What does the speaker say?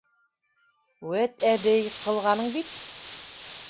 - Үәт, әбей, ҡылғаның бит!